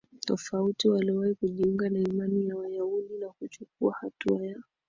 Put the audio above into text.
tofauti waliwahi kujiunga na imani ya Wayahudi na kuchukua hatua ya